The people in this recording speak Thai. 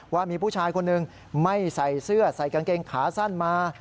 ว่ามีผู้ชายคนหนึ่งไม่ใส่เสื้อใส่กางเกงขาสั้นมา